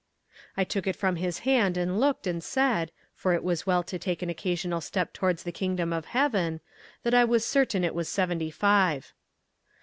I took it from his hand and looked and said, for it is well to take an occasional step towards the Kingdom of Heaven, that I was certain it was seventy five.